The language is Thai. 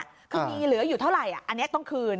คือมีเหลืออยู่เท่าไหร่อันนี้ต้องคืน